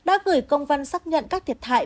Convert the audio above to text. đã gửi công văn xác nhận các thiệt thại